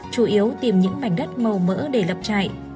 chủ yếu tìm những mảnh đất màu mỡ để lập trại